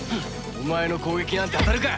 お前の攻撃なんて当たるか！